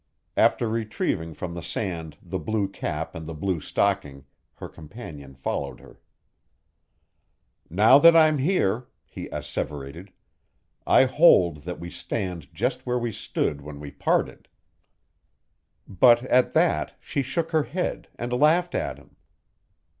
After retrieving from the sand the blue cap and the blue stocking, her companion followed her. "Now that I'm here," he asseverated, "I hold that we stand just where we stood when we parted." But at that she shook her head and laughed at him.